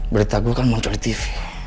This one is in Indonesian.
berita gue kan motor di tv